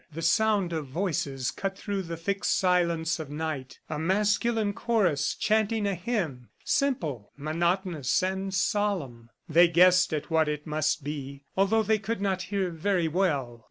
... The sound of voices cut through the thick silence of night a masculine chorus chanting a hymn, simple, monotonous and solemn. They guessed at what it must be, although they could not hear very well.